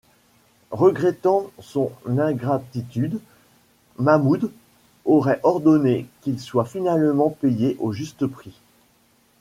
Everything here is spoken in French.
Regrettant son ingratitude, Mahmoud aurait ordonné qu'il soit finalement payé au juste prix.